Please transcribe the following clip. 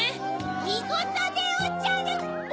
・みごとでおじゃる！